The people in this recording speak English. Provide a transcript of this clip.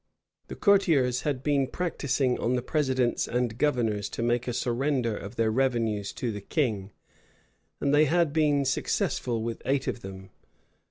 The courtiers had been practising on the presidents and governors to make a surrender of their revenues to the king, and they had been successful with eight of them.